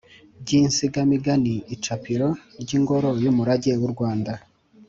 by’insigamigani, icapiro ry’ingoro y’umurage w’u rwanda,